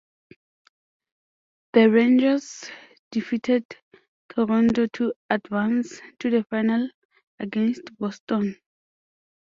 The Rangers defeated Toronto to advance to the final against Boston.